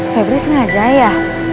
febri sengaja ya